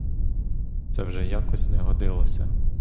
Це вже якось не годилося.